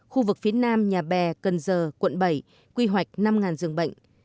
khu vực phía nam nhà bè cần giờ quận bảy quy hoạch năm dường bệnh